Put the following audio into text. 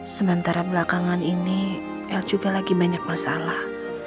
sementara belakangan ini l juga lagi banyak masalah